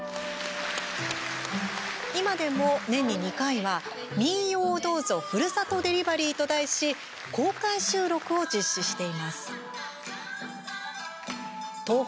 今でも、年に２回は「民謡をどうぞふるさとデリバリー」と題し公開収録を実施しています。